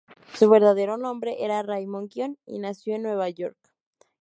Su verdadero nombre era Raymond Guion, y nació en Nueva York.